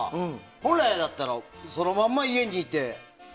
本来だったらそのまま家にいて。